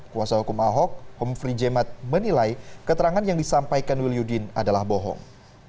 kuasa hukum ahok omfri jemat menilai keterangan yang disampaikan wil yudin adalah bohong